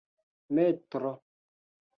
metro